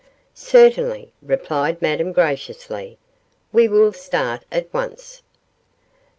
'Certainly,' replied Madame, graciously; 'we will start at once.